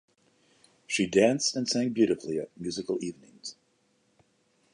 She danced and sang beautifully at musical evenings.